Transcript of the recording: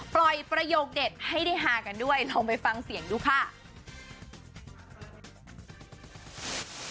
ปล่อยประโยคเด็ดให้ได้ฮากันด้วยเราไปฟังเสียงดูครับ